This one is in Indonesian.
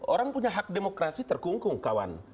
orang punya hak demokrasi terkungkung kawan